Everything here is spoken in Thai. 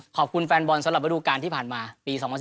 ขอบคุณแฟนบอลสำหรับระดูการที่ผ่านมาปี๒๐๑๙